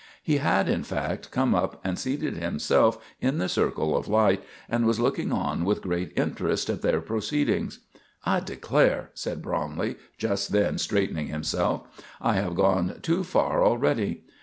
He had, in fact, come up and seated himself in the circle of light, and was looking on with great interest at their proceedings. "I declare," said Bromley, just then, straightening himself, "I have gone too far already.